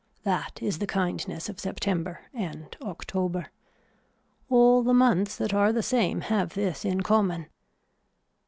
That is the kindness of September and October. All the months that are the same have this in common.